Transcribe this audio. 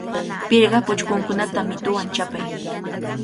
Pirqapa uchkunkunata mituwan chapay.